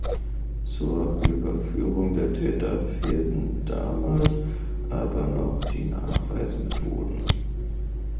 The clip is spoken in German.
Zur Überführung der Täter fehlten damals aber noch die Nachweismethoden.